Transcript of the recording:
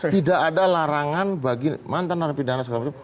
tidak ada larangan bagi mantan narapidana segala macam